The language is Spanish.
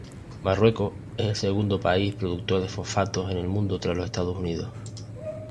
Marruecos es el segundo país productor de fosfatos del mundo tras los Estados Unidos.